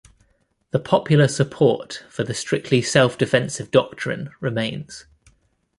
The popular support for the strictly self-defensive doctrine remains.